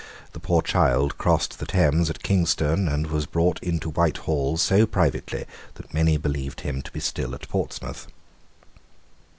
The poor child crossed the Thames at Kingston, and was brought into Whitehall so privately that many believed him to be still at Portsmouth.